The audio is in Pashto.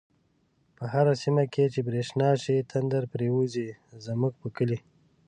په هره سیمه چی برشنا شی، تندر پریوزی زمونږ په کلی